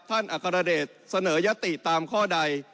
อัครเดชเสนอยติตามข้อใด